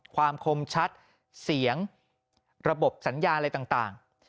ความคมชัดเสียงระบบสัญญาอะไรต่าง